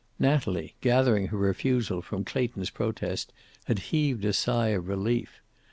Natalie, gathering her refusal from Clayton's protest, had heaved a sigh of relief.